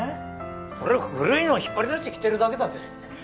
これ古いの引っ張り出して着てるだけだぜ。